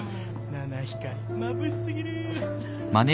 七光まぶしすぎる。